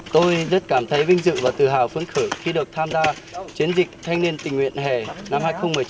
tôi rất cảm thấy vinh dự và tự hào phấn khởi khi được tham gia chiến dịch thanh niên tình nguyện hè năm hai nghìn một mươi chín